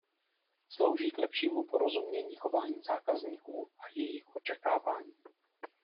Slouží k lepšímu porozumění chování zákazníků a jejich očekávání.